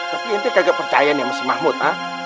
tapi ini kagak percaya nih mas mahmud